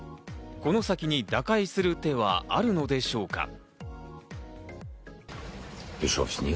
この先に打開する手はあるのでしょうか？